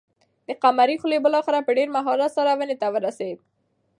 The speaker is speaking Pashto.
د قمرۍ خلی بالاخره په ډېر مهارت سره ونې ته ورسېد.